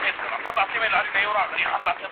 قرآن وایي چې لوستل وکړئ.